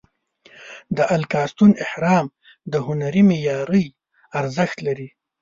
د الکاستون اهرام د هنري معمارۍ ارزښت لري.